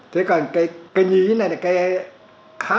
thế còn cái nhí này là cái hát ra âm thanh này là cái mồm người chăm